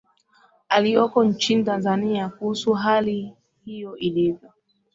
alioko nchini tanzania kuhusu hali hiyo ilivyo